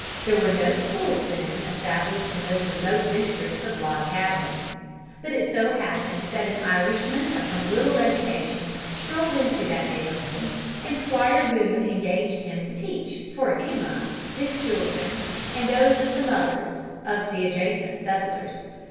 There were no schools then established in those remote districts of log cabins. But it so happened that an Irishman of some little education strolled into that neighborhood, and Squire Boone engaged him to teach, for a few months, his children and those of some others of the adjacent settlers.